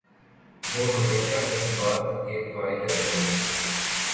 وہ ہمیشہ اس بات کے قائل رہے